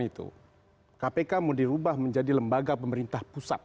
itu kpk mau dirubah menjadi lembaga pemerintah pusat